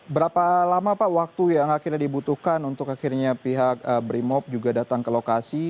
berapa lama pak waktu yang akhirnya dibutuhkan untuk akhirnya pihak brimop juga datang ke lokasi